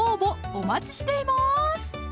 お待ちしています